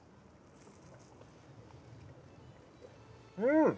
うん！